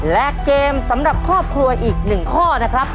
และเกมสำหรับครอบครัวอีก๑ข้อนะครับ